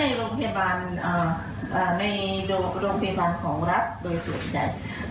ในโรงพยาบาลของเราโดยส่วนใหญ่